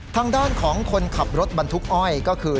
ทางด้านของคนขับรถบรรทุกอ้อยก็คือ